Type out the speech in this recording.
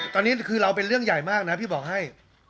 ตอนนี้คือเราเป็นเรื่องใหญ่มากนะพี่บอกให้